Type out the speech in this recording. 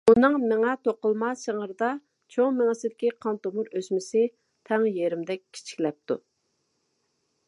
ئۇنىڭ مېڭە توقۇلما سىڭىرىدا چوڭ مېڭىسىدىكى قان تومۇر ئۆسمىسى تەڭ يېرىمدەك كىچىكلەپتۇ.